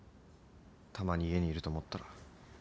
たまに家にいると思ったら。